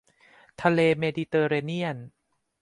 ทะเลเมดิเตอร์เรเนียน